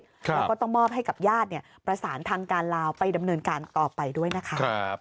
แล้วก็ต้องมอบให้กับญาติประสานทางการลาวไปดำเนินการต่อไปด้วยนะคะ